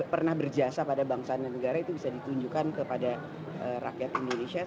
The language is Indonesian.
pernah berjasa pada bangsa dan negara itu bisa ditunjukkan kepada rakyat indonesia